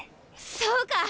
そうか！